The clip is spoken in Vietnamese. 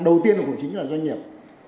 đầu tiên của chính là doanh nghiệp